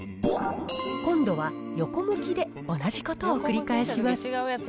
今度は横向きで同じことを繰り返します。